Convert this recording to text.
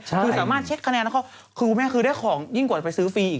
คือสามารถเช็ดคะแนนแล้วก็คือคุณแม่คือได้ของยิ่งกว่าจะไปซื้อฟรีอีก